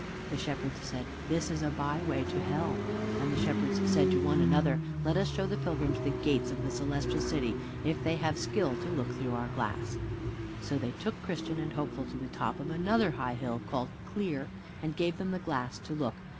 The Shepherds said, "This is a byway to hell." And the Shepherds said one to another, "Let us show the pilgrims the gates of the Celestial City, if they have skill to look through our glass." So they took Christian and Hopeful to the top of another high hill, called Clear, and gave them the glass to look.